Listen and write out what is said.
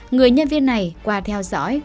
người nhân viên này qua theo dõi